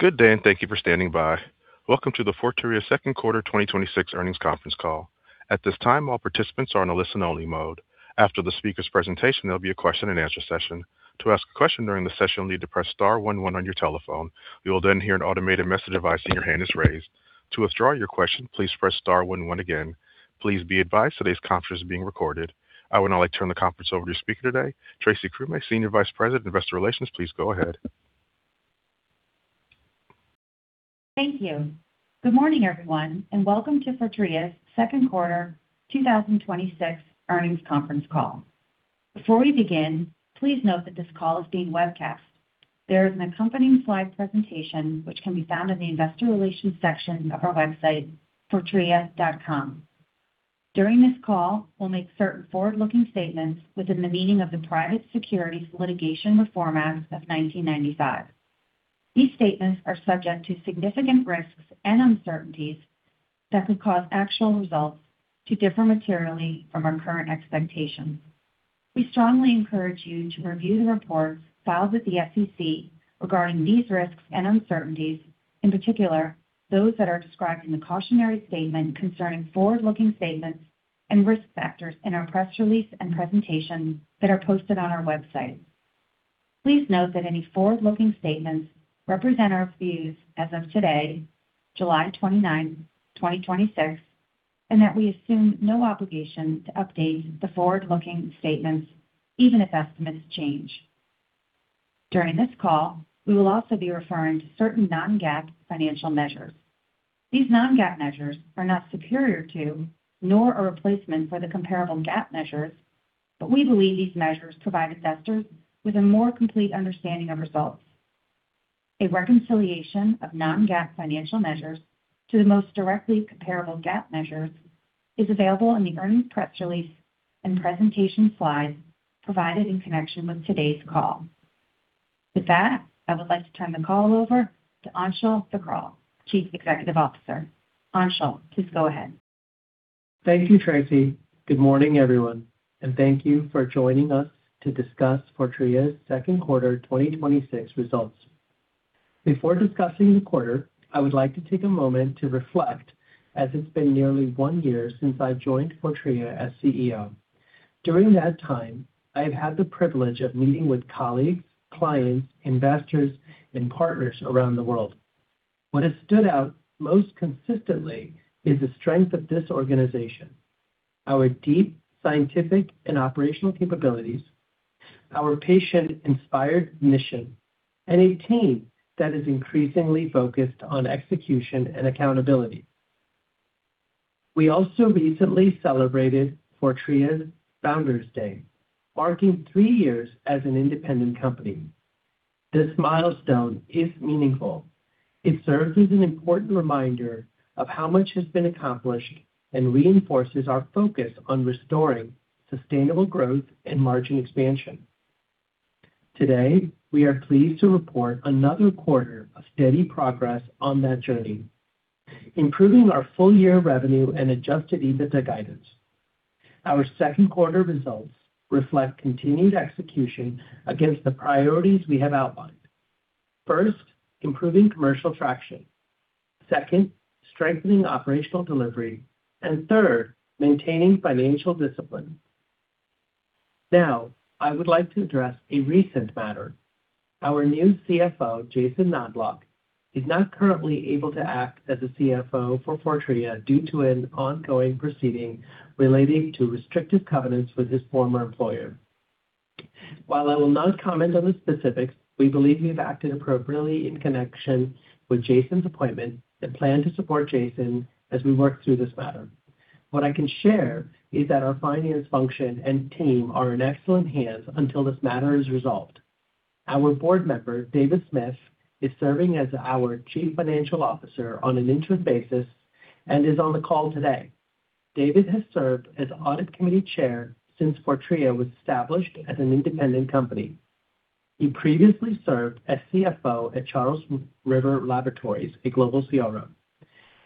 Good day, and thank you for standing by. Welcome to the Fortrea second quarter 2026 earnings conference call. At this time, all participants are in a listen-only mode. After the speaker's presentation, there'll be a question and answer session. To ask a question during the session, you'll need to press star one one on your telephone. You will then hear an automated message advising your hand is raised. To withdraw your question, please press star one one again. Please be advised today's conference is being recorded. I would now like to turn the conference over to your speaker today, Tracy Krumme, Senior Vice President, Investor Relations. Please go ahead. Thank you. Good morning, everyone, and welcome to Fortrea's second quarter 2026 earnings conference call. Before we begin, please note that this call is being webcast. There is an accompanying slide presentation which can be found in the investor relations section of our website, fortrea.com. During this call, we'll make certain forward-looking statements within the meaning of the Private Securities Litigation Reform Act of 1995. These statements are subject to significant risks and uncertainties that could cause actual results to differ materially from our current expectations. We strongly encourage you to review the reports filed with the SEC regarding these risks and uncertainties. In particular, those that are described in the cautionary statement concerning forward-looking statements and risk factors in our press release and presentation that are posted on our website. Please note that any forward-looking statements represent our views as of today, July 29th, 2026, and that we assume no obligation to update the forward-looking statements even if estimates change. During this call, we will also be referring to certain non-GAAP financial measures. These non-GAAP measures are not superior to nor a replacement for the comparable GAAP measures, we believe these measures provide investors with a more complete understanding of results. A reconciliation of non-GAAP financial measures to the most directly comparable GAAP measures is available in the earnings press release and presentation slides provided in connection with today's call. With that, I would like to turn the call over to Anshul Thakral, Chief Executive Officer. Anshul, please go ahead. Thank you, Tracy. Good morning, everyone, and thank you for joining us to discuss Fortrea's second quarter 2026 results. Before discussing the quarter, I would like to take a moment to reflect as it's been nearly one year since I've joined Fortrea as CEO. During that time, I have had the privilege of meeting with colleagues, clients, investors, and partners around the world. What has stood out most consistently is the strength of this organization, our deep scientific and operational capabilities, our patient-inspired mission, and a team that is increasingly focused on execution and accountability. We also recently celebrated Fortrea's Founders' Day, marking three years as an independent company. This milestone is meaningful. It serves as an important reminder of how much has been accomplished and reinforces our focus on restoring sustainable growth and margin expansion. Today, we are pleased to report another quarter of steady progress on that journey, improving our full-year revenue and adjusted EBITDA guidance. Our second quarter results reflect continued execution against the priorities we have outlined. First, improving commercial traction. Second, strengthening operational delivery. And third, maintaining financial discipline. Now, I would like to address a recent matter. Our new CFO, Jason Knoblauch, is not currently able to act as the CFO for Fortrea due to an ongoing proceeding relating to restrictive covenants with his former employer. While I will not comment on the specifics, we believe we've acted appropriately in connection with Jason's appointment and plan to support Jason as we work through this matter. What I can share is that our finance function and team are in excellent hands until this matter is resolved. Our board member, David Smith, is serving as our Chief Financial Officer on an interim basis and is on the call today. David has served as Audit Committee Chair since Fortrea was established as an independent company. He previously served as CFO at Charles River Laboratories, a global CRO.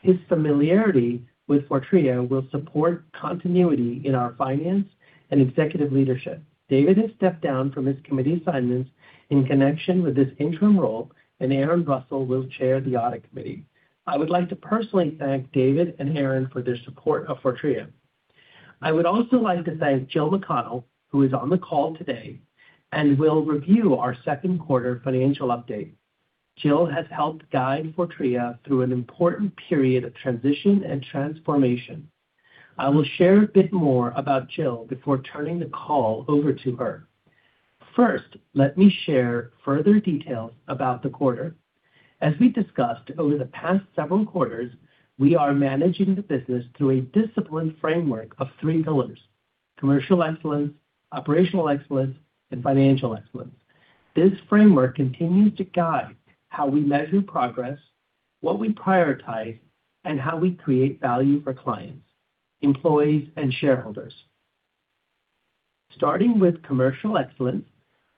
His familiarity with Fortrea will support continuity in our finance and executive leadership. David has stepped down from his committee assignments in connection with this interim role, and Erin L. Russell will chair the Audit Committee. I would like to personally thank David and Erin for their support of Fortrea. I would also like to thank Jill McConnell, who is on the call today and will review our second quarter financial update. Jill has helped guide Fortrea through an important period of transition and transformation. I will share a bit more about Jill before turning the call over to her. First, let me share further details about the quarter. As we discussed over the past several quarters, we are managing the business through a disciplined framework of three pillars: commercial excellence, operational excellence, and financial excellence. This framework continues to guide how we measure progress, what we prioritize, and how we create value for clients, employees, and shareholders. Starting with commercial excellence,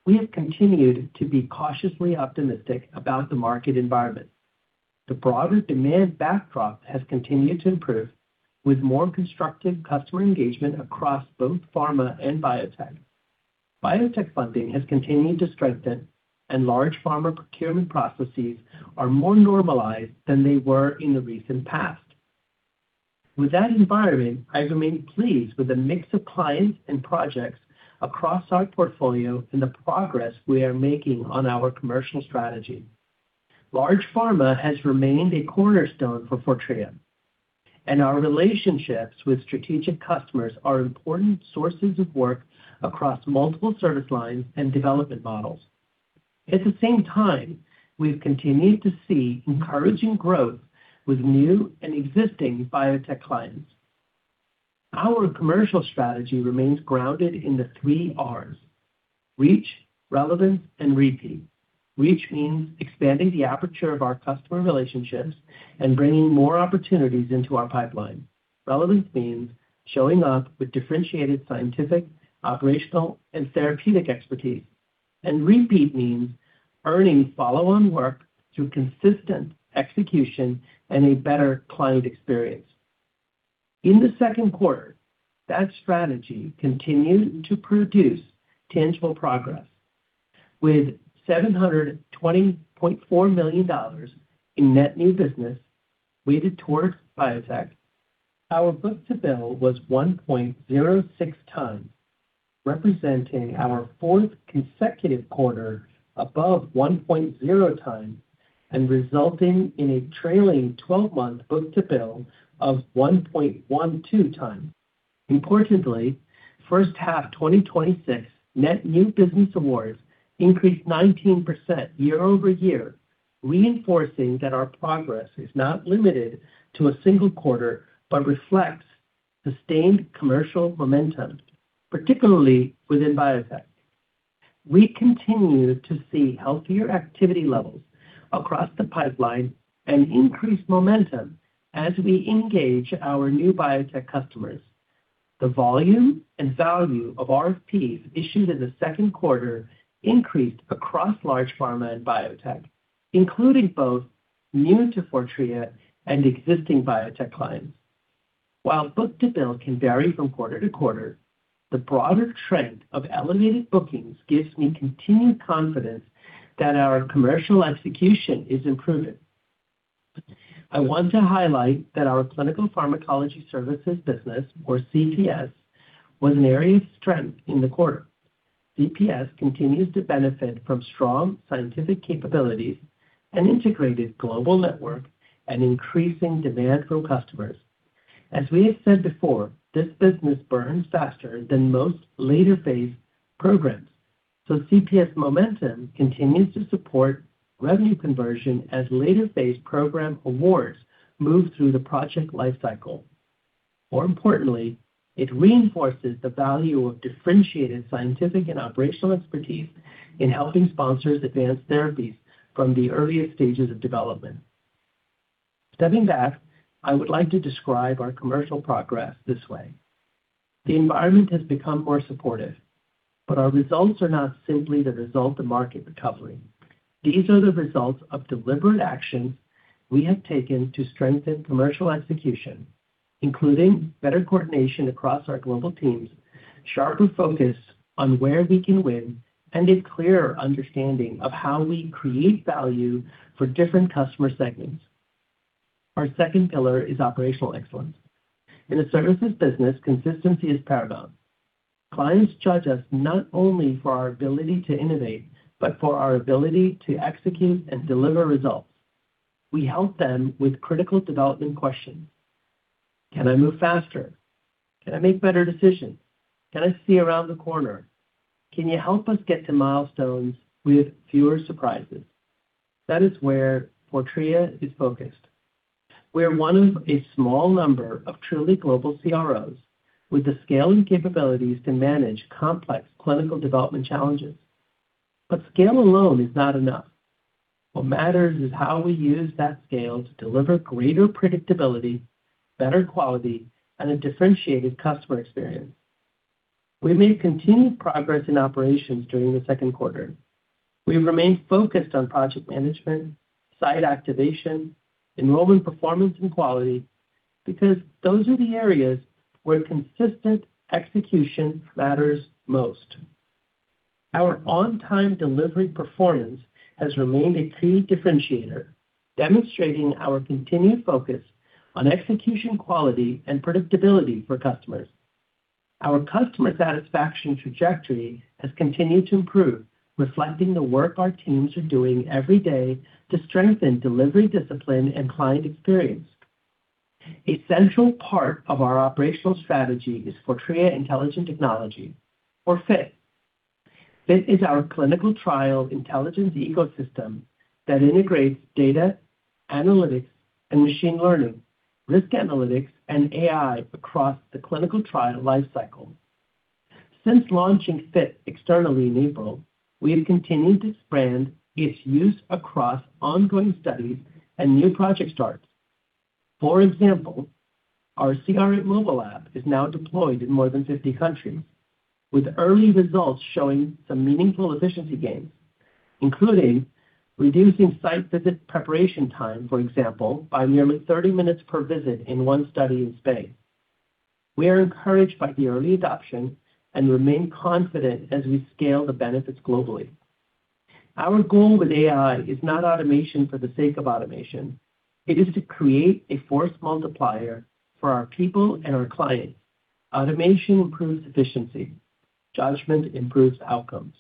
we have continued to be cautiously optimistic about the market environment. The broader demand backdrop has continued to improve, with more constructive customer engagement across both pharma and biotech. Biotech funding has continued to strengthen, and large pharma procurement processes are more normalized than they were in the recent past. With that environment, I remain pleased with the mix of clients and projects across our portfolio and the progress we are making on our commercial strategy. Large pharma has remained a cornerstone for Fortrea, and our relationships with strategic customers are important sources of work across multiple service lines and development models. At the same time, we've continued to see encouraging growth with new and existing biotech clients. Our commercial strategy remains grounded in the three Rs: reach, relevance, and repeat. Reach means expanding the aperture of our customer relationships and bringing more opportunities into our pipeline. Relevance means showing up with differentiated scientific, operational, and therapeutic expertise. And repeat means earning follow-on work through consistent execution and a better client experience. In the second quarter, that strategy continued to produce tangible progress. With $720.4 million in net new business weighted towards biotech, our book-to-bill was 1.06x, representing our fourth consecutive quarter above 1.0x and resulting in a trailing 12-month book-to-bill of 1.12x. Importantly, first half 2026 net new business awards increased 19% year-over-year, reinforcing that our progress is not limited to a single quarter, but reflects sustained commercial momentum, particularly within biotech. We continue to see healthier activity levels across the pipeline and increased momentum as we engage our new biotech customers. The volume and value of RFPs issued in the second quarter increased across large pharma and biotech, including both new to Fortrea and existing biotech clients. While book-to-bill can vary from quarter to quarter, the broader trend of elevated bookings gives me continued confidence that our commercial execution is improving. I want to highlight that our clinical pharmacology services business, or CPS, was an area of strength in the quarter. CPS continues to benefit from strong scientific capabilities, an integrated global network, and increasing demand from customers. As we have said before, this business burns faster than most later-phase programs, CPS momentum continues to support revenue conversion as later-phase program awards move through the project life cycle. More importantly, it reinforces the value of differentiated scientific and operational expertise in helping sponsors advance therapies from the earliest stages of development. Stepping back, I would like to describe our commercial progress this way. The environment has become more supportive, but our results are not simply the result of market recovery. These are the results of deliberate action we have taken to strengthen commercial execution, including better coordination across our global teams, sharper focus on where we can win, and a clearer understanding of how we create value for different customer segments. Our second pillar is operational excellence. In the services business, consistency is paramount. Clients judge us not only for our ability to innovate, but for our ability to execute and deliver results. We help them with critical development questions. Can I move faster? Can I make better decisions? Can I see around the corner? Can you help us get to milestones with fewer surprises? That is where Fortrea is focused. We are one of a small number of truly global CROs with the scale and capabilities to manage complex clinical development challenges. Scale alone is not enough. What matters is how we use that scale to deliver greater predictability, better quality, and a differentiated customer experience. We made continued progress in operations during the second quarter. We remain focused on project management, site activation, enrollment performance, and quality because those are the areas where consistent execution matters most. Our on-time delivery performance has remained a key differentiator, demonstrating our continued focus on execution quality and predictability for customers. Our customer satisfaction trajectory has continued to improve, reflecting the work our teams are doing every day to strengthen delivery discipline and client experience. A central part of our operational strategy is Fortrea Intelligent Technology, or FIT. FIT is our clinical trial intelligence ecosystem that integrates data, analytics, and machine learning, risk analytics, and AI across the clinical trial life cycle. Since launching FIT externally in April, we have continued to expand its use across ongoing studies and new project starts. For example, our CRI Mobile app is now deployed in more than 50 countries, with early results showing some meaningful efficiency gains. Including reducing site visit preparation time, for example, by nearly 30 minutes per visit in one study in Spain. We are encouraged by the early adoption and remain confident as we scale the benefits globally. Our goal with AI is not automation for the sake of automation. It is to create a force multiplier for our people and our clients. Automation improves efficiency. Judgment improves outcomes.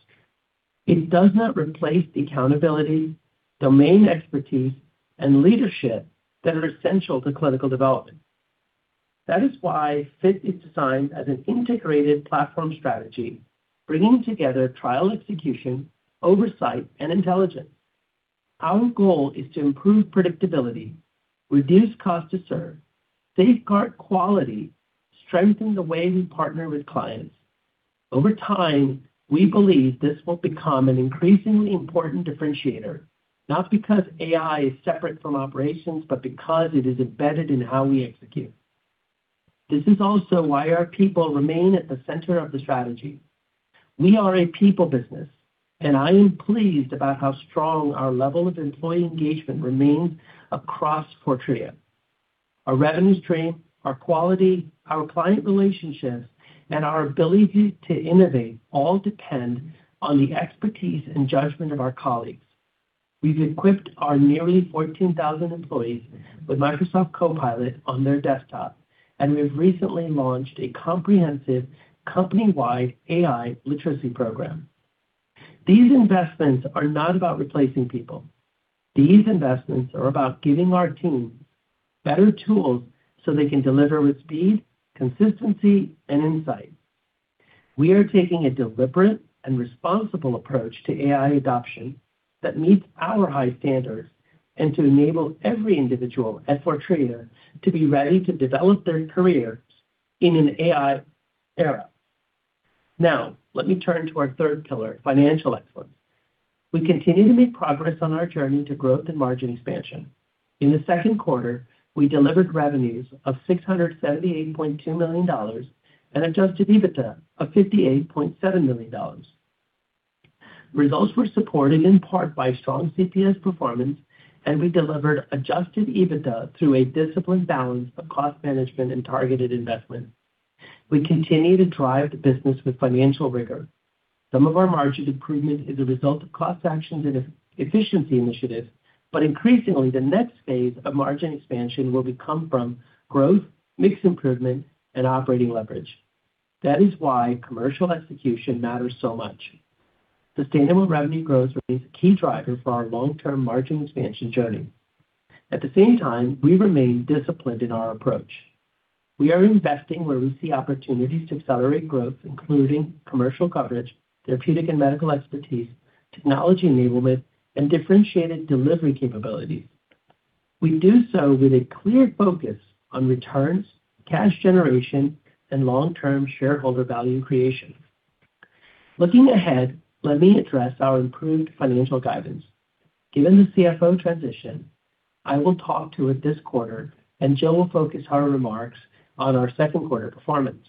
It does not replace the accountability, domain expertise, and leadership that are essential to clinical development. That is why FIT is designed as an integrated platform strategy, bringing together trial execution, oversight, and intelligence. Our goal is to improve predictability, reduce cost to serve, safeguard quality, strengthen the way we partner with clients. Over time, we believe this will become an increasingly important differentiator, not because AI is separate from operations, but because it is embedded in how we execute. This is also why our people remain at the center of the strategy. We are a people business, I am pleased about how strong our level of employee engagement remains across Fortrea. Our revenue stream, our quality, our client relationships, and our ability to innovate all depend on the expertise and judgment of our colleagues. We've equipped our nearly 14,000 employees with Microsoft Copilot on their desktop, and we have recently launched a comprehensive company-wide AI literacy program. These investments are not about replacing people. These investments are about giving our teams better tools so they can deliver with speed, consistency, and insight. We are taking a deliberate and responsible approach to AI adoption that meets our high standards and to enable every individual at Fortrea to be ready to develop their careers in an AI era. Let me turn to our third pillar, financial excellence. We continue to make progress on our journey to growth and margin expansion. In the second quarter, we delivered revenues of $678.2 million and adjusted EBITDA of $58.7 million. Results were supported in part by strong CPS performance, We delivered adjusted EBITDA through a disciplined balance of cost management and targeted investment. We continue to drive the business with financial rigor. Some of our margin improvement is a result of cost actions and efficiency initiatives, Increasingly, the next phase of margin expansion will come from growth, mix improvement, and operating leverage. That is why commercial execution matters so much. Sustainable revenue growth remains a key driver for our long-term margin expansion journey. At the same time, we remain disciplined in our approach. We are investing where we see opportunities to accelerate growth, including commercial coverage, therapeutic and medical expertise, technology enablement, and differentiated delivery capabilities. We do so with a clear focus on returns, cash generation, and long-term shareholder value creation. Looking ahead, let me address our improved financial guidance. Given the CFO transition, I will talk to it this quarter, and Jill will focus her remarks on our second quarter performance.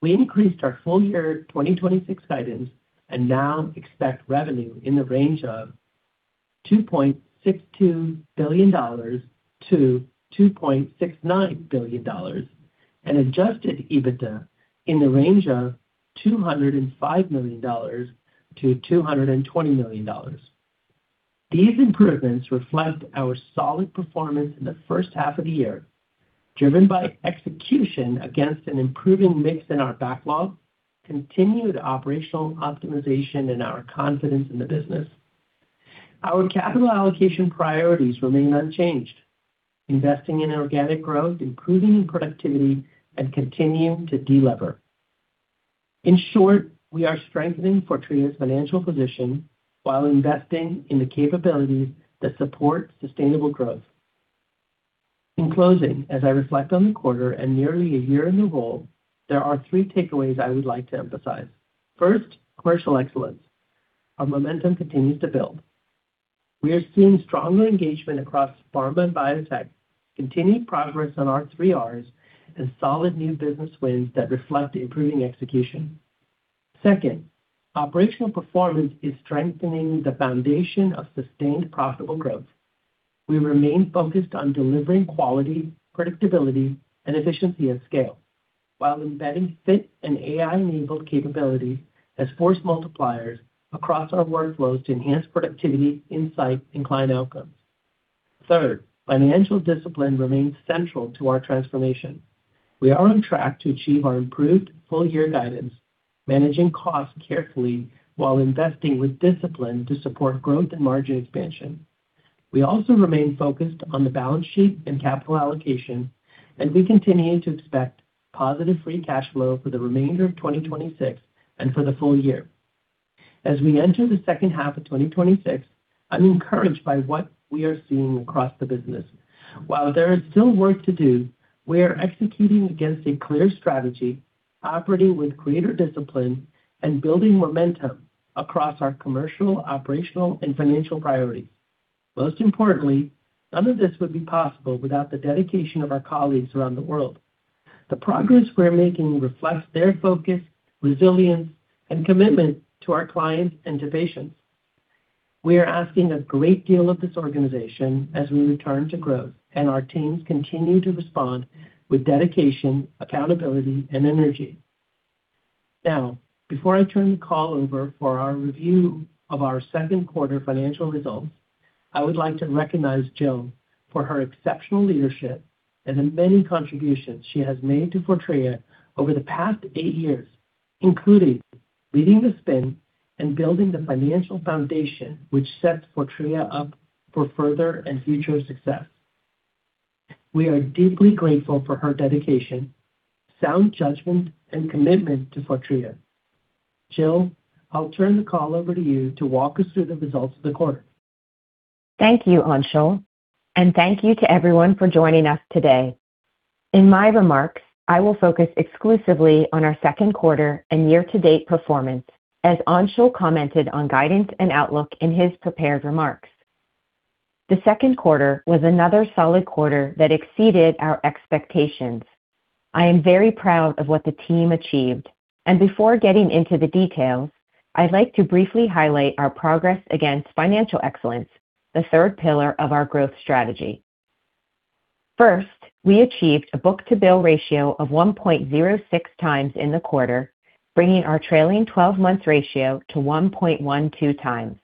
We increased our full-year 2026 guidance Now expect revenue in the range of $2.62 billion-$2.69 billion, Adjusted EBITDA in the range of $205 million-$220 million. These improvements reflect our solid performance in the first half of the year, driven by execution against an improving mix in our backlog, continued operational optimization, Our confidence in the business. Our capital allocation priorities remain unchanged, investing in organic growth, improving productivity, Continuing to delever. In short, we are strengthening Fortrea's financial position while investing in the capabilities that support sustainable growth. In closing, as I reflect on the quarter and nearly a year in the role, there are three takeaways I would like to emphasize. First, commercial excellence. Our momentum continues to build. We are seeing stronger engagement across pharma and biotech, continued progress on our three Rs, and solid new business wins that reflect the improving execution. Second, operational performance is strengthening the foundation of sustained profitable growth. We remain focused on delivering quality, predictability, and efficiency at scale, while embedding FIT and AI-enabled capabilities as force multipliers across our workflows to enhance productivity, insight, and client outcomes. Third, financial discipline remains central to our transformation. We are on track to achieve our improved full-year guidance, managing costs carefully while investing with discipline to support growth and margin expansion. We also remain focused on the balance sheet and capital allocation. We continue to expect positive free cash flow for the remainder of 2026 and for the full-year. As we enter the second half of 2026, I'm encouraged by what we are seeing across the business. While there is still work to do, we are executing against a clear strategy, operating with greater discipline, and building momentum across our commercial, operational, and financial priorities. Most importantly, none of this would be possible without the dedication of our colleagues around the world. The progress we're making reflects their focus, resilience, and commitment to our clients and to patients. Our teams continue to respond with dedication, accountability, and energy. Now, before I turn the call over for our review of our second quarter financial results, I would like to recognize Jill for her exceptional leadership and the many contributions she has made to Fortrea over the past eight years, including leading the spin and building the financial foundation which sets Fortrea up for further and future success. We are deeply grateful for her dedication, sound judgment, and commitment to Fortrea. Jill, I'll turn the call over to you to walk us through the results of the quarter. Thank you, Anshul. Thank you to everyone for joining us today. In my remarks, I will focus exclusively on our second quarter and year-to-date performance, as Anshul commented on guidance and outlook in his prepared remarks. The second quarter was another solid quarter that exceeded our expectations. I am very proud of what the team achieved. Before getting into the details, I'd like to briefly highlight our progress against financial excellence, the third pillar of our growth strategy. First, we achieved a book-to-bill ratio of 1.06x in the quarter, bringing our trailing 12-month ratio to 1.12x.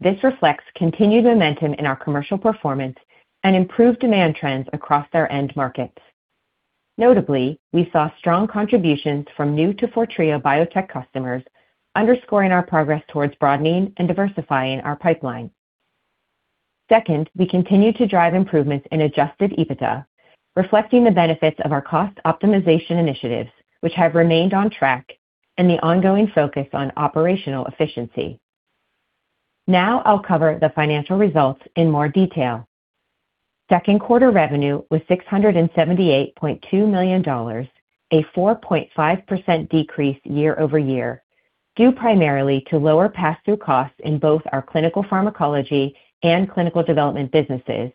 This reflects continued momentum in our commercial performance and improved demand trends across our end markets. Notably, we saw strong contributions from new to Fortrea biotech customers, underscoring our progress towards broadening and diversifying our pipeline. Second, we continued to drive improvements in adjusted EBITDA, reflecting the benefits of our cost optimization initiatives, which have remained on track, and the ongoing focus on operational efficiency. I'll cover the financial results in more detail. Second quarter revenue was $678.2 million, a 4.5% decrease year-over-year, due primarily to lower passthrough costs in both our clinical pharmacology and clinical development businesses,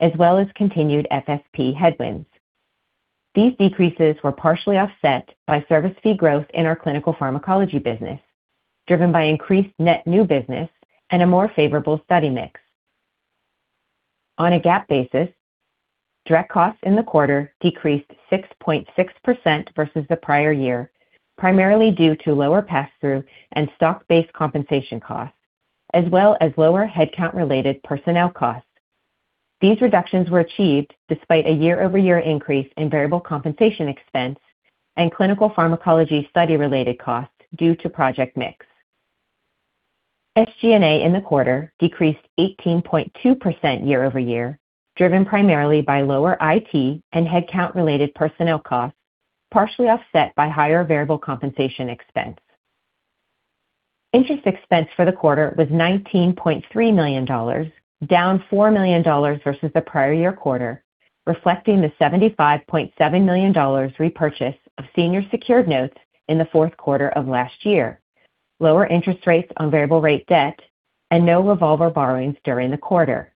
as well as continued FSP headwinds. These decreases were partially offset by service fee growth in our clinical pharmacology business, driven by increased net new business and a more favorable study mix. On a GAAP basis, direct costs in the quarter decreased 6.6% versus the prior year, primarily due to lower passthrough and stock-based compensation costs, as well as lower headcount-related personnel costs. These reductions were achieved despite a year-over-year increase in variable compensation expense and clinical pharmacology study-related costs due to project mix. SG&A in the quarter decreased 18.2% year-over-year, driven primarily by lower IT and headcount-related personnel costs, partially offset by higher variable compensation expense. Interest expense for the quarter was $19.3 million, down $4 million versus the prior year quarter, reflecting the $75.7 million repurchase of senior secured notes in the fourth quarter of last year, lower interest rates on variable rate debt, and no revolver borrowings during the quarter.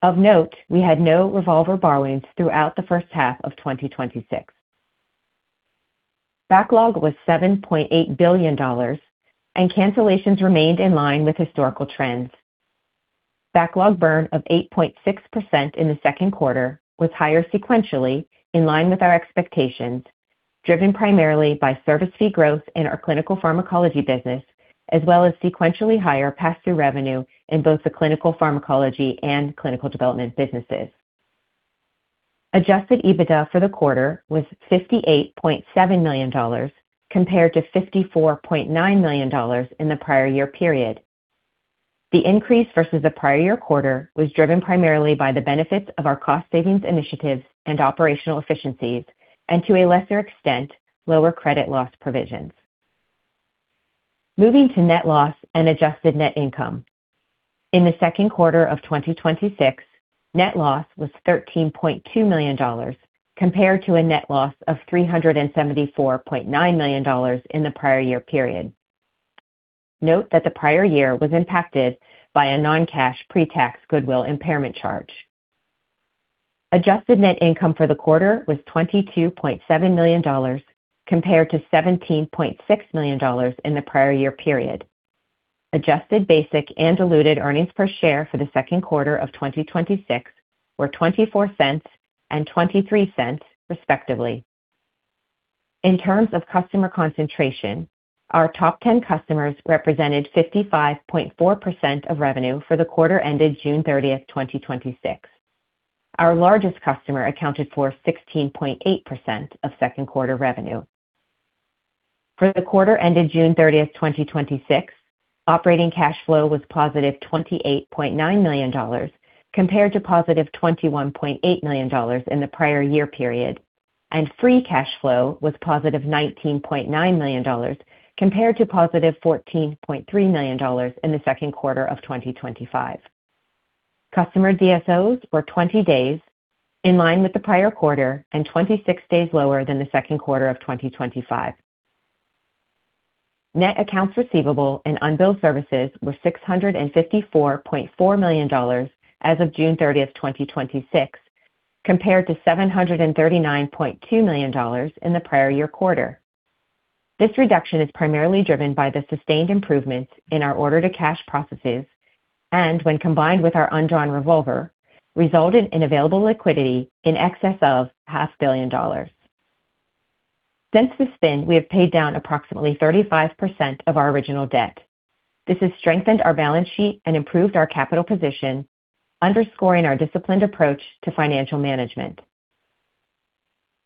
Of note, we had no revolver borrowings throughout the first half of 2026. Backlog was $7.8 billion, and cancellations remained in line with historical trends. Backlog burn of 8.6% in the second quarter was higher sequentially, in line with our expectations, driven primarily by service fee growth in our clinical pharmacology business, as well as sequentially higher passthrough revenue in both the clinical pharmacology and clinical development businesses. Adjusted EBITDA for the quarter was $58.7 million, compared to $54.9 million in the prior year period. The increase versus the prior year quarter was driven primarily by the benefits of our cost savings initiatives and operational efficiencies, and to a lesser extent, lower credit loss provisions. Moving to net loss and adjusted net income. In the second quarter of 2026, net loss was $13.2 million, compared to a net loss of $374.9 million in the prior year period. Note that the prior year was impacted by a non-cash pretax goodwill impairment charge. Adjusted net income for the quarter was $22.7 million, compared to $17.6 million in the prior year period. Adjusted basic and diluted earnings per share for the second quarter of 2026 were $0.24 and $0.23, respectively. In terms of customer concentration, our top 10 customers represented 55.4% of revenue for the quarter ended June 30th, 2026. Our largest customer accounted for 16.8% of second quarter revenue. For the quarter ended June 30th, 2026, operating cash flow was +$28.9 million, compared to +$21.8 million in the prior year period, and free cash flow was +$19.9 million, compared to +$14.3 million in the second quarter of 2025. Customer DSOs were 20 days, in line with the prior quarter, and 26 days lower than the second quarter of 2025. Net accounts receivable and unbilled services were $654.4 million as of June 30th, 2026, compared to $739.2 million in the prior year quarter. This reduction is primarily driven by the sustained improvements in our order-to-cash processes, and when combined with our undrawn revolver, resulted in available liquidity in excess of $500 million. Since the spin, we have paid down approximately 35% of our original debt. This has strengthened our balance sheet and improved our capital position, underscoring our disciplined approach to financial management.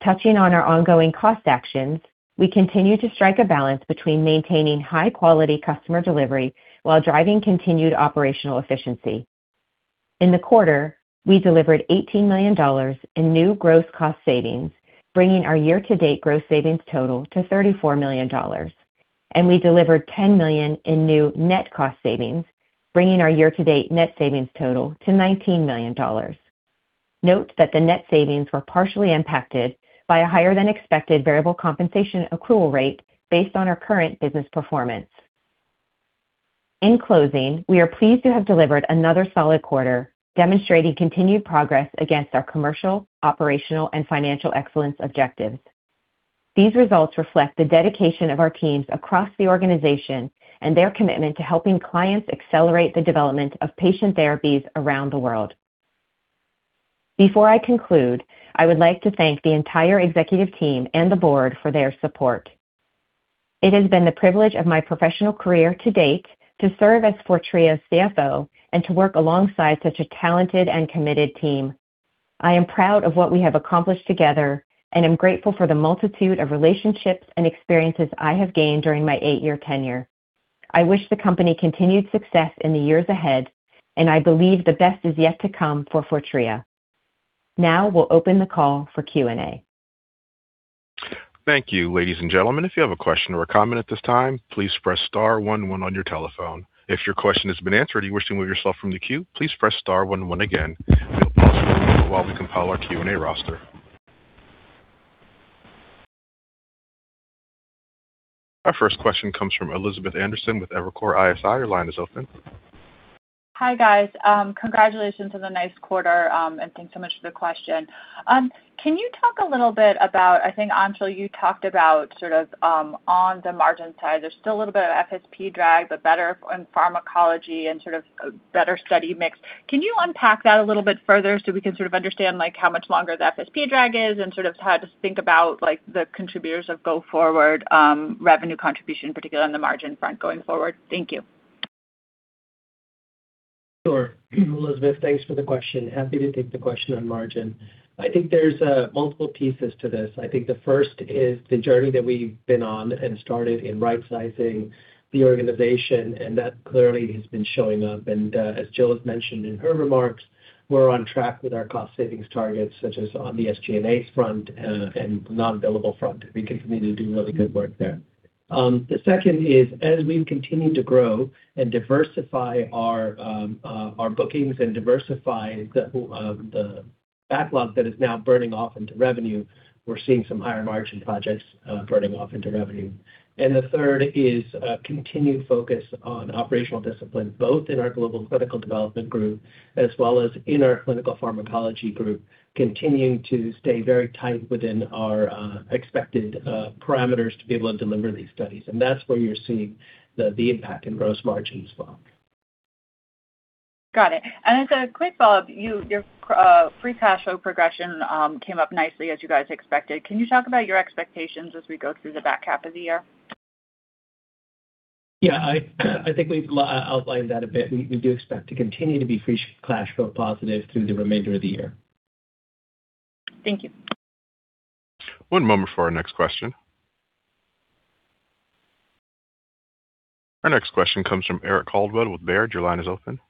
Touching on our ongoing cost actions, we continue to strike a balance between maintaining high quality customer delivery while driving continued operational efficiency. In the quarter, we delivered $18 million in new gross cost savings, bringing our year-to-date gross savings total to $34 million, and we delivered $10 million in new net cost savings, bringing our year-to-date net savings total to $19 million. Note that the net savings were partially impacted by a higher-than-expected variable compensation accrual rate based on our current business performance. In closing, we are pleased to have delivered another solid quarter, demonstrating continued progress against our commercial, operational, and financial excellence objectives. These results reflect the dedication of our teams across the organization and their commitment to helping clients accelerate the development of patient therapies around the world. Before I conclude, I would like to thank the entire executive team and the board for their support. It has been the privilege of my professional career to date to serve as Fortrea's CFO and to work alongside such a talented and committed team. I am proud of what we have accomplished together and am grateful for the multitude of relationships and experiences I have gained during my eight-year tenure. I wish the company continued success in the years ahead. I believe the best is yet to come for Fortrea. Now we'll open the call for Q&A. Thank you. Ladies and gentlemen, if you have a question or a comment at this time, please press star one one on your telephone. If your question has been answered and you wish to remove yourself from the queue, please press star one one again. We will pause for a moment while we compile our Q&A roster. Our first question comes from Elizabeth Anderson with Evercore ISI. Your line is open. Hi, guys. Congratulations on the nice quarter. Thanks so much for the question. Can you talk a little bit about, I think, Anshul, you talked about on the margin side, there's still a little bit of FSP drag. Better in pharmacology and a better study mix. Can you unpack that a little bit further so we can understand how much longer the FSP drag is. How to think about the contributors of go forward revenue contribution, particularly on the margin front going forward? Thank you. Elizabeth, thanks for the question. Happy to take the question on margin. I think there's multiple pieces to this. I think the first is the journey that we've been on and started in rightsizing the organization, and that clearly has been showing up. As Jill has mentioned in her remarks, we're on track with our cost savings targets, such as on the SG&A front and non-billable front. We continue to do really good work there. The second is, as we continue to grow and diversify our bookings and diversify the backlog that is now burning off into revenue, we're seeing some higher margin projects burning off into revenue. The third is a continued focus on operational discipline, both in our global clinical development group as well as in our clinical pharmacology group, continuing to stay very tight within our expected parameters to be able to deliver these studies. That's where you're seeing the impact in gross margins as well. Got it. As a quick follow-up, your free cash flow progression came up nicely as you guys expected. Can you talk about your expectations as we go through the back half of the year? Yeah. I think we've outlined that a bit. We do expect to continue to be free cash flow positive through the remainder of the year. Thank you. One moment for our next question. Our next question comes from Eric Coldwell with Baird. Your line is open.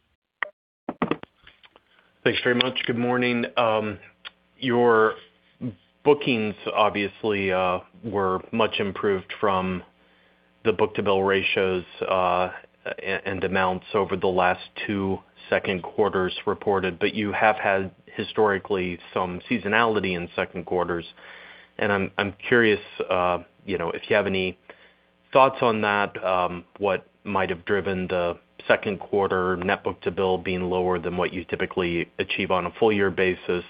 Thanks very much. Good morning. Your bookings obviously were much improved from the book-to-bill ratios and amounts over the last two second quarters reported, but you have had historically some seasonality in second quarters, and I'm curious if you have any thoughts on that, what might have driven the second quarter net book-to-bill being lower than what you typically achieve on a full-year basis.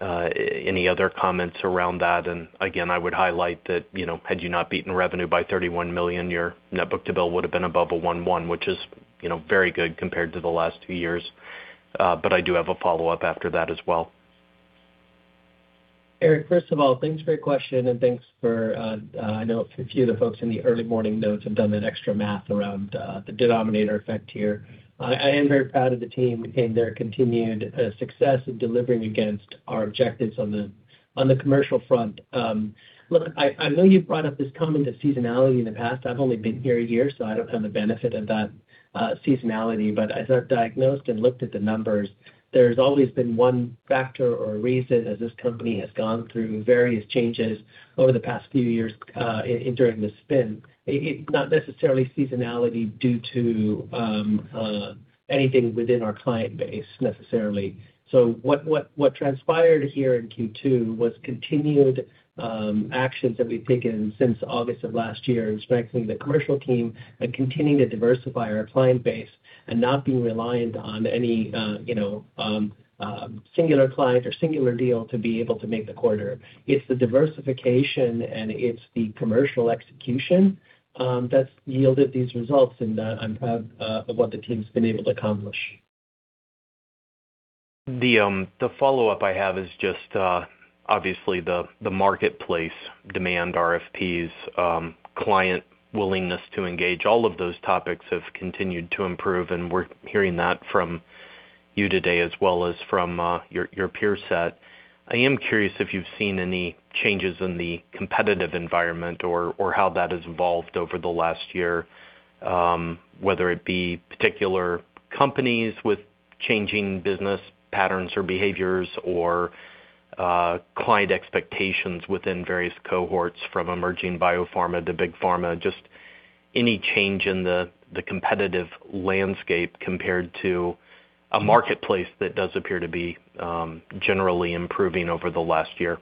Any other comments around that? Again, I would highlight that had you not beaten revenue by $31 million, your net book-to-bill would have been above a 1.1, which is very good compared to the last two years. I do have a follow-up after that as well. Eric, first of all, thanks for your question and thanks for, I know a few of the folks in the early morning notes have done the extra math around the denominator effect here. I am very proud of the team and their continued success in delivering against our objectives on the commercial front. Look, I know you brought up this comment of seasonality in the past. I've only been here a year, so I don't have the benefit of that seasonality. As I've diagnosed and looked at the numbers, there's always been one factor or reason as this company has gone through various changes over the past few years and during the spin. It's not necessarily seasonality due to anything within our client base, necessarily. What transpired here in Q2 was continued actions that we've taken since August of last year in strengthening the commercial team and continuing to diversify our client base and not being reliant on any singular client or singular deal to be able to make the quarter. It's the diversification and it's the commercial execution that's yielded these results, and I'm proud of what the team's been able to accomplish. The follow-up I have is just obviously the marketplace demand RFPs, client willingness to engage, all of those topics have continued to improve, and we're hearing that from you today as well as from your peer set. I am curious if you've seen any changes in the competitive environment or how that has evolved over the last year, whether it be particular companies with changing business patterns or behaviors, or client expectations within various cohorts from emerging biopharma to big pharma, just any change in the competitive landscape compared to a marketplace that does appear to be generally improving over the last year.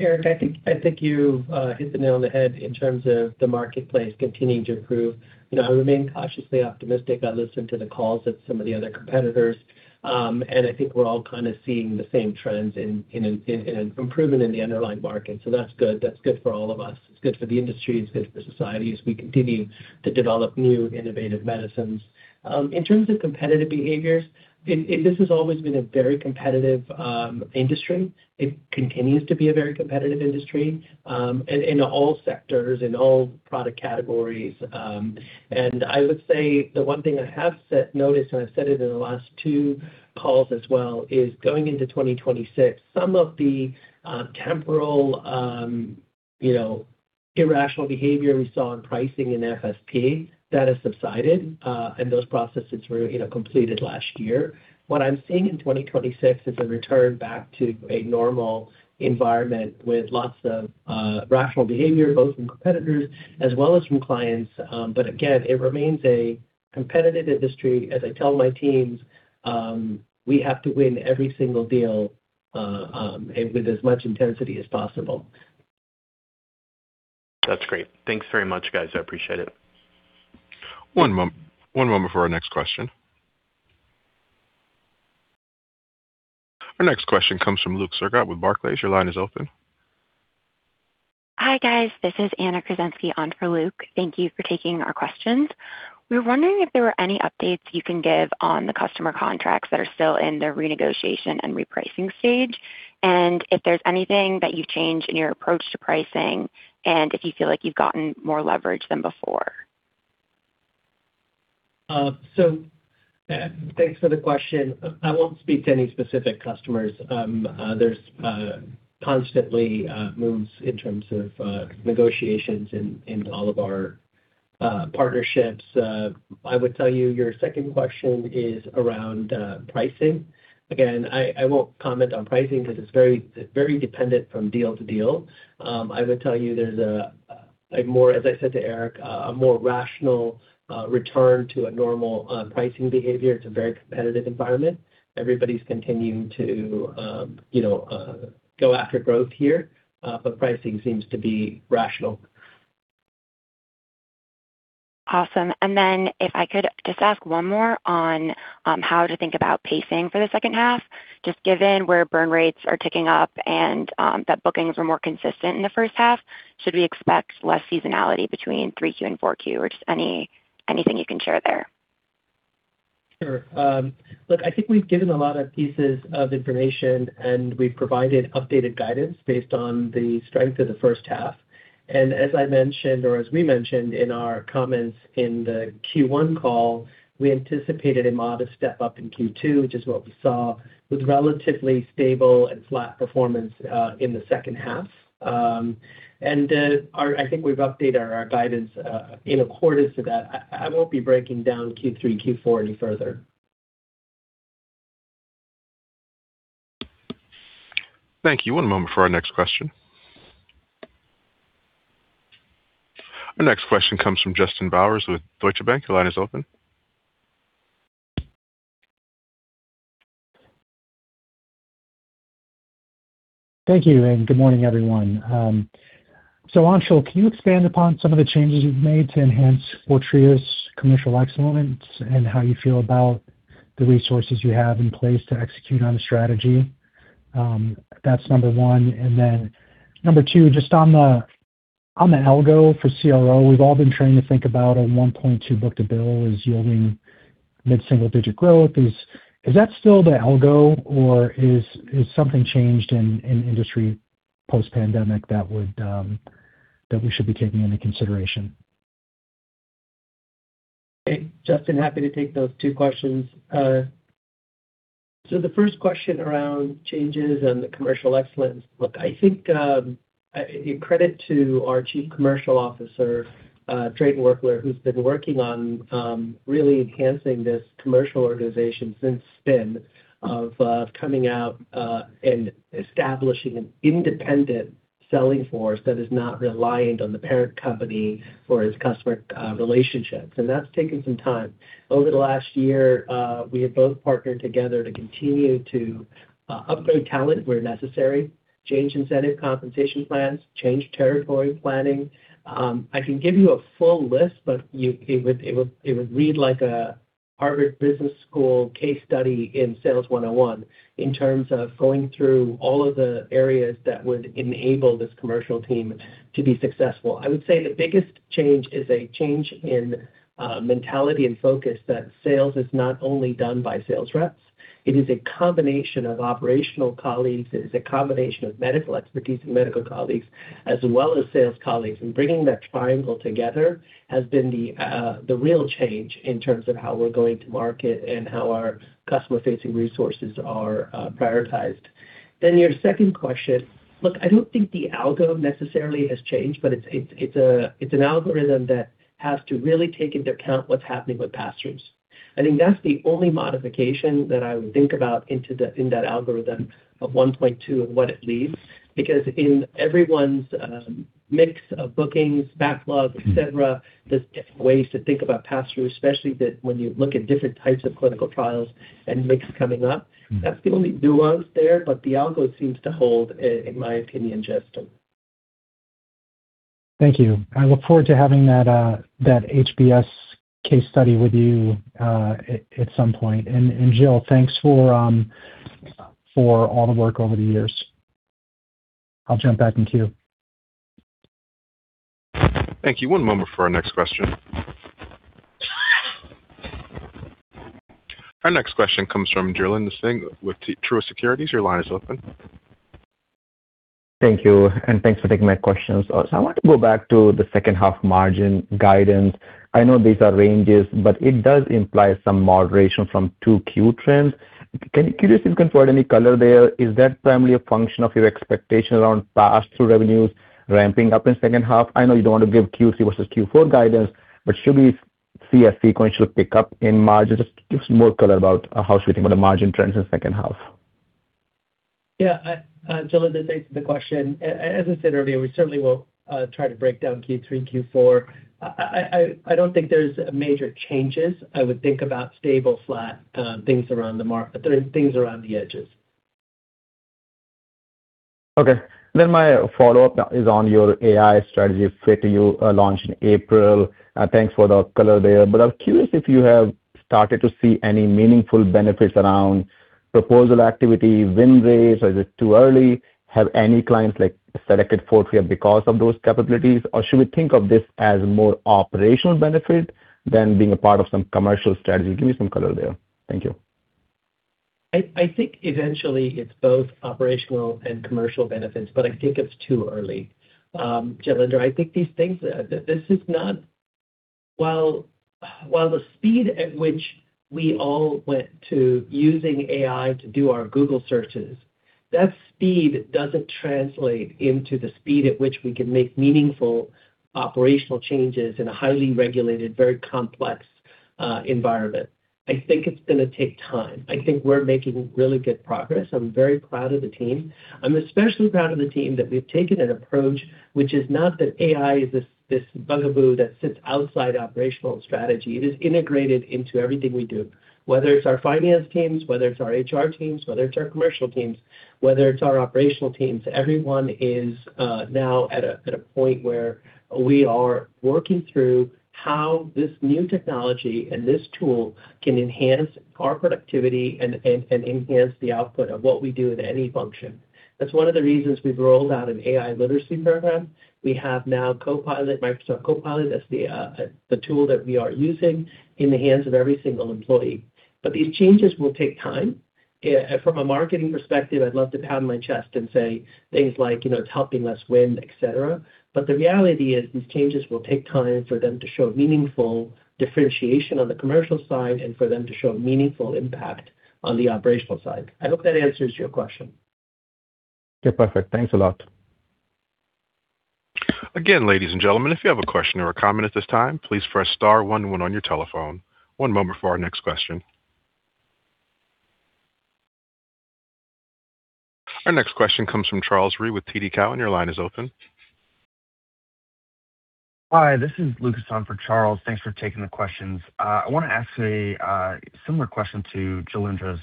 Eric, I think you hit the nail on the head in terms of the marketplace continuing to improve. I remain cautiously optimistic. I listen to the calls of some of the other competitors, and I think we're all kind of seeing the same trends in an improvement in the underlying market. That's good. That's good for all of us. It's good for the industry. It's good for society as we continue to develop new innovative medicines. In terms of competitive behaviors, this has always been a very competitive industry. It continues to be a very competitive industry, in all sectors, in all product categories. I would say the one thing I have noticed, and I've said it in the last two calls as well, is going into 2026, some of the temporal irrational behavior we saw in pricing and RFP, that has subsided, and those processes were completed last year. What I'm seeing in 2026 is a return back to a normal environment with lots of rational behavior, both from competitors as well as from clients. Again, it remains a competitive industry. As I tell my teams, we have to win every single deal, and with as much intensity as possible. That's great. Thanks very much, guys. I appreciate it. One moment for our next question. Our next question comes from Luke Sergott with Barclays. Your line is open. Hi, guys. This is Anna Krasensky on for Luke. Thank you for taking our questions. If there were any updates you can give on the customer contracts that are still in the renegotiation and repricing stage, and if there's anything that you've changed in your approach to pricing, and if you feel like you've gotten more leverage than before. Thanks for the question. I won't speak to any specific customers. There's constantly moves in terms of negotiations in all of our partnerships. I would tell you, your second question is around pricing. Again, I won't comment on pricing because it's very dependent from deal to deal. I would tell you there's, as I said to Eric, a more rational return to a normal pricing behavior. It's a very competitive environment. Everybody's continuing to go after growth here, pricing seems to be rational. Awesome. Then if I could just ask one more on how to think about pacing for the second half. Just given where burn rates are ticking up and that bookings are more consistent in the first half, should we expect less seasonality between Q3 and Q4, or just anything you can share there? Sure. Look, I think we've given a lot of pieces of information, we've provided updated guidance based on the strength of the first half. As I mentioned, or as we mentioned in our comments in the Q1 call, we anticipated a modest step-up in Q2, which is what we saw, with relatively stable and flat performance in the second half. I think we've updated our guidance in accordance to that. I won't be breaking down Q3, Q4 any further. Thank you. One moment for our next question. Our next question comes from Justin Bowers with Deutsche Bank. Your line is open. Thank you, good morning, everyone. Anshul, can you expand upon some of the changes you've made to enhance Fortrea's commercial excellence and how you feel about the resources you have in place to execute on the strategy? That's number one. Number two, just on the algo for CRO, we've all been trained to think about a 1.2 book-to-bill as yielding mid-single digit growth. Is that still the algo, or has something changed in industry post-pandemic that we should be taking into consideration? Hey, Justin, happy to take those two questions. The first question around changes and the commercial excellence. Look, I think in credit to our Chief Commercial Officer, Drayton Virkler, who's been working on really enhancing this commercial organization since spin of coming out and establishing an independent selling force that is not reliant on the parent company for its customer relationships. That's taken some time. Over the last year, we have both partnered together to continue to upgrade talent where necessary, change incentive compensation plans, change territory planning. I can give you a full list, but it would read like a Harvard Business School case study in Sales 101 in terms of going through all of the areas that would enable this commercial team to be successful. I would say the biggest change is a change in mentality and focus that sales is not only done by sales reps. It is a combination of operational colleagues, it is a combination of medical expertise and medical colleagues, as well as sales colleagues. Bringing that triangle together has been the real change in terms of how we're going to market and how our customer-facing resources are prioritized. Your second question. Look, I don't think the algo necessarily has changed, but it's an algorithm that has to really take into account what's happening with pass-throughs. I think that's the only modification that I would think about in that algorithm of 1.2 and what it leaves. In everyone's mix of bookings, backlog, et cetera, there's different ways to think about pass-through, especially that when you look at different types of clinical trials and mix coming up. That's the only nuance there, but the algo seems to hold, in my opinion, Justin. Thank you. I look forward to having that HBS case study with you at some point. Jill, thanks for all the work over the years. I'll jump back in queue. Thank you. One moment for our next question. Our next question comes from Jailendra Singh with Truist Securities. Your line is open. Thank you, thanks for taking my questions. I want to go back to the second half margin guidance. I know these are ranges, but it does imply some moderation from 2Q trends. Curious if you can provide any color there. Is that primarily a function of your expectation around pass-through revenues ramping up in the second half? I know you don't want to give Q3 versus Q4 guidance, but should we see a sequential pickup in margin? Just give some more color about how you think about the margin trends in the second half. Jailendra, thanks for the question. As I said earlier, we certainly will try to break down Q3 and Q4. I don't think there's major changes. I would think about stable, flat things around the edges. Okay. My follow-up is on your AI strategy, Fortrea you launched in April. Thanks for the color there. I was curious if you have started to see any meaningful benefits around proposal activity, win rates, or is it too early? Have any clients selected Fortrea because of those capabilities, or should we think of this as more operational benefit than being a part of some commercial strategy? Give me some color there. Thank you. I think eventually it's both operational and commercial benefits. I think it's too early. Jailendra, while the speed at which we all went to using AI to do our Google searches, that speed doesn't translate into the speed at which we can make meaningful operational changes in a highly regulated, very complex environment. I think it's going to take time. I think we're making really good progress. I'm very proud of the team. I'm especially proud of the team that we've taken an approach, which is not that AI is this bugaboo that sits outside operational strategy. It is integrated into everything we do, whether it's our finance teams, whether it's our HR teams, whether it's our commercial teams, whether it's our operational teams. Everyone is now at a point where we are working through how this new technology and this tool can enhance our productivity and enhance the output of what we do in any function. That's one of the reasons we've rolled out an AI literacy program. We have now Microsoft Copilot as the tool that we are using in the hands of every single employee. These changes will take time. From a marketing perspective, I'd love to pound my chest and say things like, It's helping us win, et cetera. The reality is, these changes will take time for them to show meaningful differentiation on the commercial side and for them to show meaningful impact on the operational side. I hope that answers your question. Okay, perfect. Thanks a lot. Again, ladies and gentlemen, if you have a question or a comment at this time, please press star one on your telephone. One moment for our next question. Our next question comes from Charles Rhyee with TD Cowen. Your line is open. Hi, this is Lucas on for Charles. Thanks for taking the questions. I want to ask a similar question to Jailendra's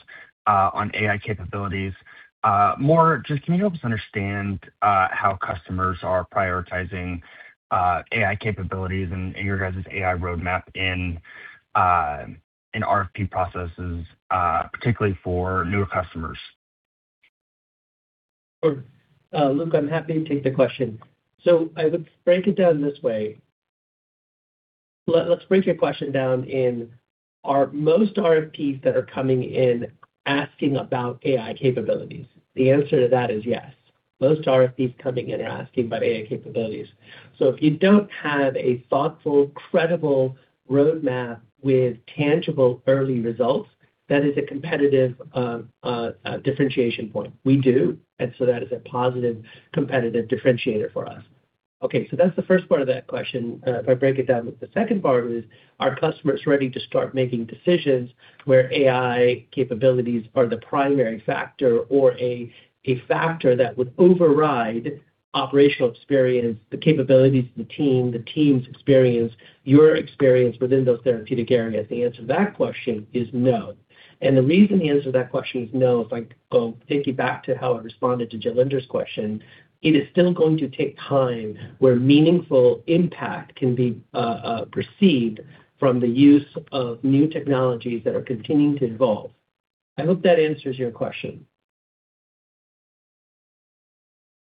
on AI capabilities. More just can you help us understand how customers are prioritizing AI capabilities and your guys' AI roadmap in RFP processes, particularly for newer customers? I would break it down this way. Let's break your question down in, are most RFPs that are coming in asking about AI capabilities? The answer to that is yes. Most RFPs coming in are asking about AI capabilities. If you don't have a thoughtful, credible roadmap with tangible early results, that is a competitive differentiation point. We do, that is a positive competitive differentiator for us. That's the first part of that question. If I break it down, the second part is, are customers ready to start making decisions where AI capabilities are the primary factor or a factor that would override operational experience, the capabilities of the team, the team's experience, your experience within those therapeutic areas? The answer to that question is no. The reason the answer to that question is no, if I go take you back to how I responded to Jailendra's question, it is still going to take time where meaningful impact can be perceived from the use of new technologies that are continuing to evolve. I hope that answers your question.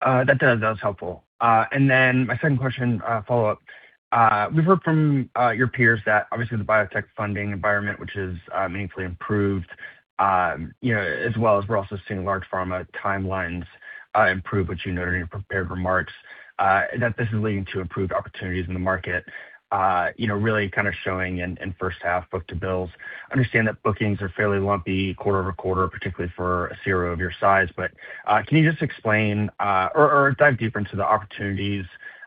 That was helpful. My second question follow-up. We've heard from your peers that obviously the biotech funding environment, which has meaningfully improved, as well as we're also seeing large pharma timelines improve, which you noted in your prepared remarks, that this is leading to improved opportunities in the market, really showing in first half book-to-bills. I understand that bookings are fairly lumpy quarter-over-quarter, particularly for a CRO of your size. Can you just explain or dive deeper into the opportunities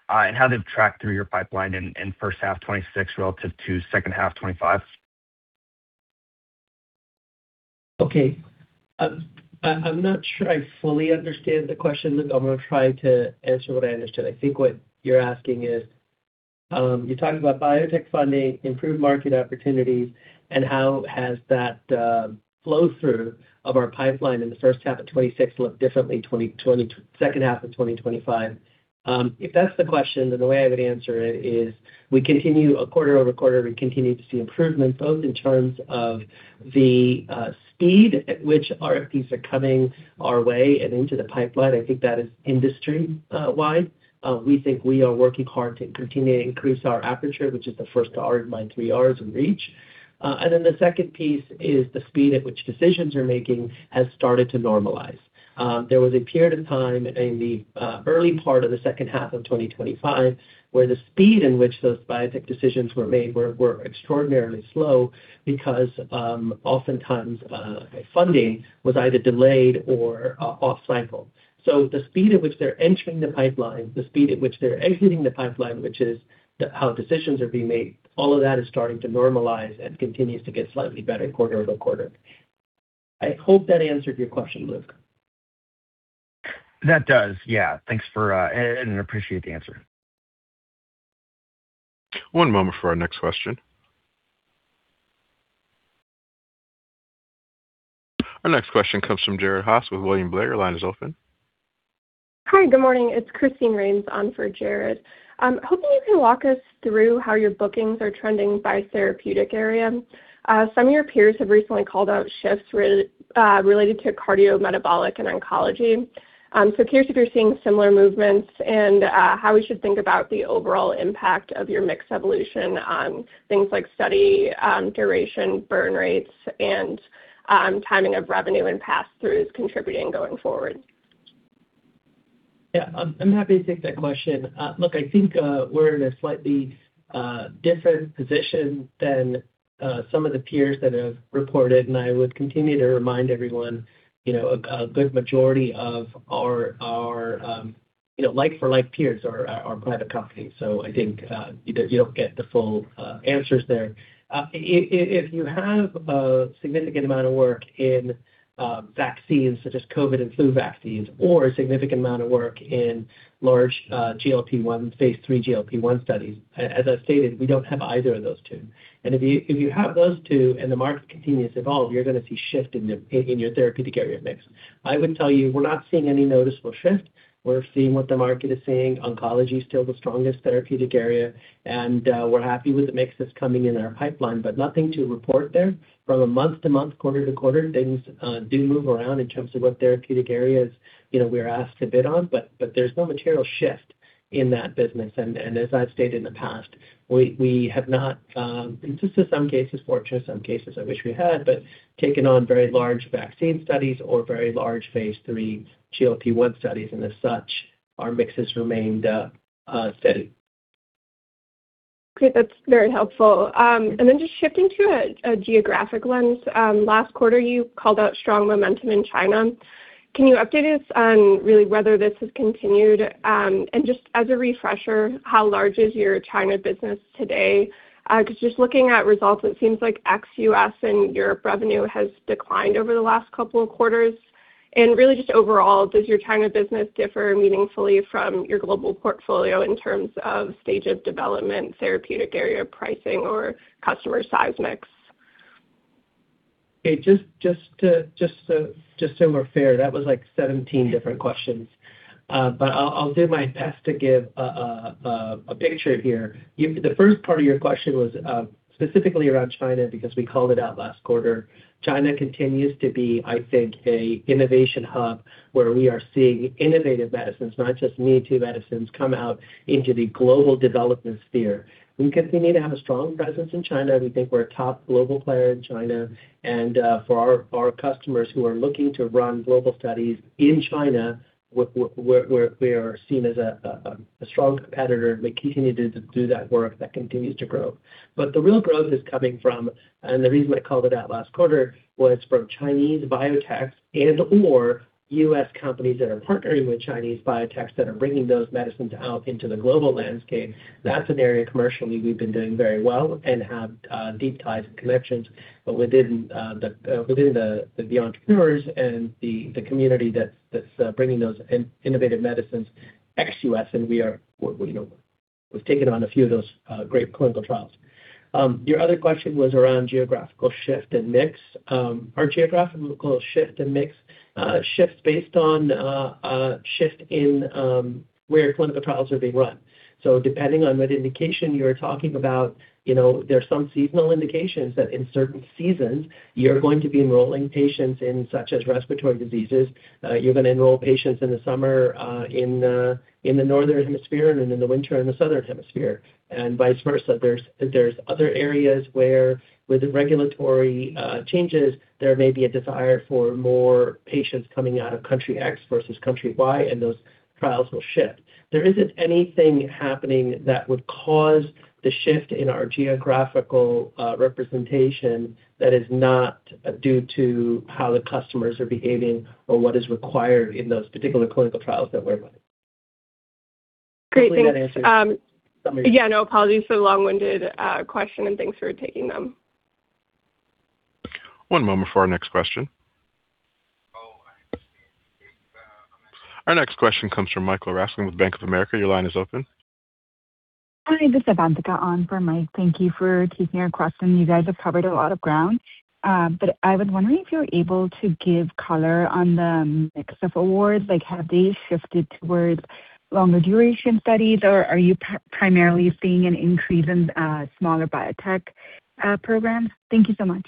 and how they've tracked through your pipeline in first half 2026 relative to second half 2025? Okay. I'm not sure I fully understand the question, Luke. I'm going to try to answer what I understood. I think what you're asking is, you're talking about biotech funding, improved market opportunities, and how has that flow through of our pipeline in the first half of 2026 looked differently second half of 2025. If that's the question, the way I would answer it is we continue a quarter-over-quarter, we continue to see improvements both in terms of the speed at which RFPs are coming our way and into the pipeline. I think that is industry wide. We think we are working hard to continue to increase our aperture, which is the first R in my three Rs, reach. The second piece is the speed at which decisions we're making has started to normalize. There was a period of time in the early part of the second half of 2025 where the speed in which those biotech decisions were made were extraordinarily slow because oftentimes funding was either delayed or off cycle. The speed at which they're entering the pipeline, the speed at which they're exiting the pipeline, which is how decisions are being made, all of that is starting to normalize and continues to get slightly better quarter-over-quarter. I hope that answered your question, Luke. That does, yeah. Thanks for and appreciate the answer. One moment for our next question. Our next question comes from Jared Haase with William Blair. Your line is open. Hi. Good morning. It's Christine Raines on for Jared. Hoping you can walk us through how your bookings are trending by therapeutic area. Some of your peers have recently called out shifts related to cardiometabolic and oncology. Curious if you're seeing similar movements and how we should think about the overall impact of your mix evolution on things like study duration, burn rates, and timing of revenue and pass through is contributing going forward. Yeah. I'm happy to take that question. Look, I think we're in a slightly different position than some of the peers that have reported, and I would continue to remind everyone, a good majority of our like for like peers are private companies. I think you don't get the full answers there. If you have a significant amount of work in vaccines such as COVID and flu vaccines or a significant amount of work in large GLP-1, phase III GLP-1 studies, as I stated, we don't have either of those two. If you have those two and the market continues to evolve, you're going to see shift in your therapeutic area mix. I would tell you we're not seeing any noticeable shift. We're seeing what the market is seeing. Oncology is still the strongest therapeutic area and we're happy with the mixes coming in our pipeline, but nothing to report there. From a month to month, quarter to quarter, things do move around in terms of what therapeutic areas we're asked to bid on, but there's no material shift in that business. As I've stated in the past, we have not, in some cases fortunate, some cases I wish we had, but taken on very large vaccine studies or very large phase III GLP-1 studies, and as such, our mix has remained steady. Great. That's very helpful. Just shifting to a geographic lens. Last quarter you called out strong momentum in China. Can you update us on really whether this has continued? Just as a refresher, how large is your China business today? Just looking at results, it seems like ex-U.S. and Europe revenue has declined over the last couple of quarters. Really just overall, does your China business differ meaningfully from your global portfolio in terms of stage of development, therapeutic area pricing, or customer size mix? Okay. Just so we're fair, that was like 17 different questions. I'll do my best to give a picture here. The first part of your question was specifically around China because we called it out last quarter. China continues to be, I think, an innovation hub where we are seeing innovative medicines, not just me-too medicines, come out into the global development sphere. We continue to have a strong presence in China. We think we're a top global player in China. For our customers who are looking to run global studies in China, we are seen as a strong competitor and we continue to do that work. That continues to grow. The real growth is coming from, and the reason I called it out last quarter, was from Chinese biotechs and/or U.S. companies that are partnering with Chinese biotechs that are bringing those medicines out into the global landscape. That's an area commercially we've been doing very well and have deep ties and connections within the entrepreneurs and the community that's bringing those innovative medicines ex-U.S. We've taken on a few of those great clinical trials. Your other question was around geographical shift and mix. Our geographical shift and mix shifts based on a shift in where clinical trials are being run. Depending on what indication you're talking about, there's some seasonal indications that in certain seasons, you're going to be enrolling patients in, such as respiratory diseases, you're going to enroll patients in the summer in the northern hemisphere and in the winter in the southern hemisphere, and vice versa. There's other areas where, with the regulatory changes, there may be a desire for more patients coming out of country X versus country Y, and those trials will shift. There isn't anything happening that would cause the shift in our geographical representation that is not due to how the customers are behaving or what is required in those particular clinical trials that we're running. Great, thanks. Hopefully, that answers. Yeah. No, apologies for the long-winded question, and thanks for taking them. One moment for our next question. Our next question comes from Michael Ryskin with Bank of America. Your line is open. Hi, this is Avantika on for Mike. Thank you for taking our question. You guys have covered a lot of ground. I was wondering if you were able to give color on the mix of awards. Have they shifted towards longer duration studies, or are you primarily seeing an increase in smaller biotech programs? Thank you so much.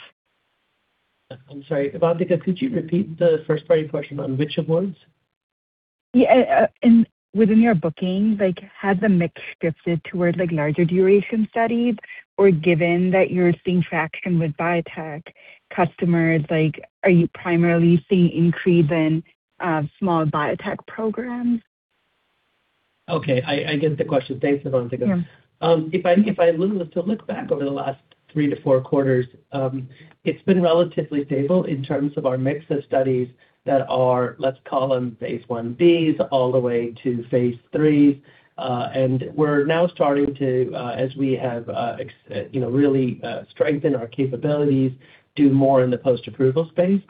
I'm sorry, Avantika, could you repeat the first part of your question on which awards? Yeah. Within your bookings, has the mix shifted towards larger duration studies? Given that you're seeing traction with biotech customers, are you primarily seeing increase in small biotech programs? Okay. I get the question. Thanks, Avantika. Yeah. If I look back over the last three to four quarters, it's been relatively stable in terms of our mix of studies that are, let's call them phase I-Bs all the way to phase III. We're now starting to, as we have really strengthened our capabilities, do more in the post-approval space.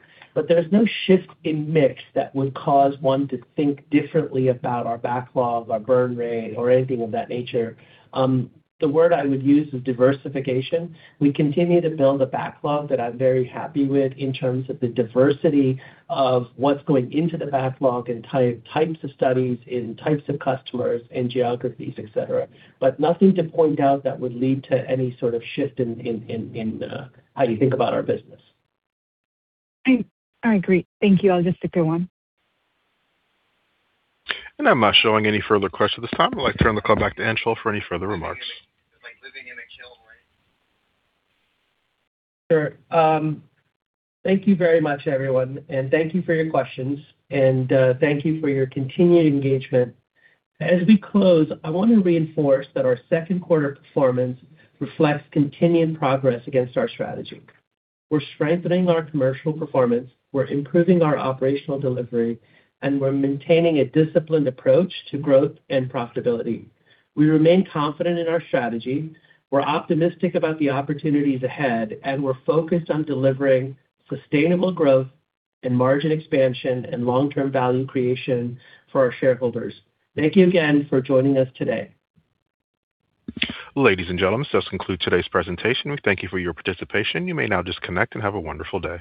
There's no shift in mix that would cause one to think differently about our backlog, our burn rate, or anything of that nature. The word I would use is diversification. We continue to build a backlog that I'm very happy with in terms of the diversity of what's going into the backlog and types of studies and types of customers and geographies, et cetera, but nothing to point out that would lead to any sort of shift in how you think about our business. All right, great. Thank you. I'll just go on. I'm not showing any further questions at this time. I'd like to turn the call back to Anshul for any further remarks. Sure. Thank you very much, everyone, and thank you for your questions, and thank you for your continued engagement. As we close, I want to reinforce that our second quarter performance reflects continuing progress against our strategy. We're strengthening our commercial performance, we're improving our operational delivery, and we're maintaining a disciplined approach to growth and profitability. We remain confident in our strategy. We're optimistic about the opportunities ahead, and we're focused on delivering sustainable growth and margin expansion and long-term value creation for our shareholders. Thank you again for joining us today. Ladies and gentlemen, this concludes today's presentation. We thank you for your participation. You may now disconnect, and have a wonderful day.